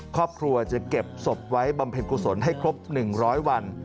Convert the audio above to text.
ครอบครัวจะเก็บศพไว้บำเพ็ญกุศลให้ครบ๑๐๐วัน